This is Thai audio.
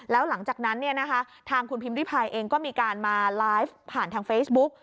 แล้วหลังจากนั้นทางคุณพิมพิพายเองก็มีการมาไลฟ์ผ่านทางเฟซบุ๊ก